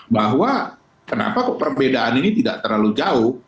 bahwa kenapa kok perbedaan ini tidak terlalu jauh